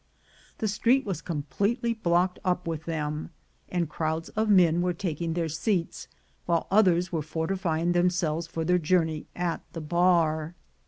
The street was completely blocked up with them, and crowds of men were taking their seats, while others were fortifying themselves for their journey at the bar.